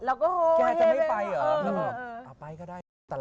เราก็โหเฮ